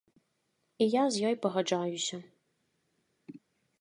І я з ёй пагаджаюся.